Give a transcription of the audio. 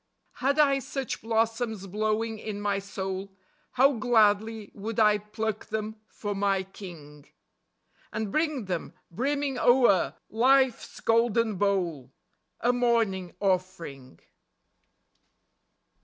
Had I such blossoms blowing in my soul How gladly would I pluck them for my King, And bring them, brimming o'er Life's golden bowl, A morning offering.